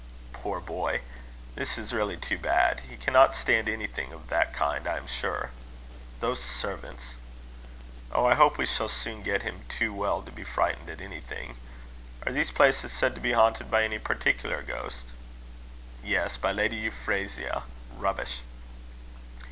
"Poor boy! This is really too bad. He cannot stand anything of that kind, I am sure. Those servants!" "Oh! I hope we shall soon get him too well to be frightened at anything. Are these places said to be haunted by any particular ghost?" "Yes. By Lady Euphrasia Rubbish!"